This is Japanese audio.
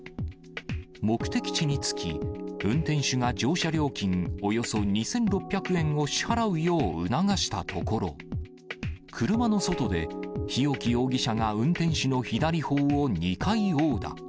目的地に着き、運転手が乗車料金およそ２６００円を支払うよう促したところ、車の外で日置容疑者が運転手の左ほおを２回殴打。